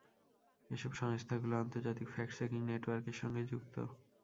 এসব সংস্থাগুলো আন্তর্জাতিক ফ্যাক্ট চেকিং নেটওয়ার্কের সঙ্গে যুক্ত।